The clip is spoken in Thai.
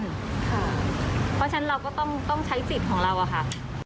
เพราะฉะนั้นเราก็ต้องใช้สิทธิ์ของเราอะค่ะ